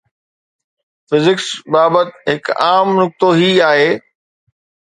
physics بابت هڪ عام نقطو هي آهي